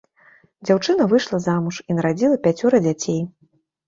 Дзяўчына выйшла замуж і нарадзіла пяцёра дзяцей.